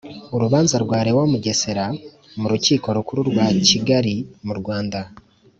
Urubanza rwa Léo Mugesera m'urukiko rukuru rwa Kigali mu Rwanda.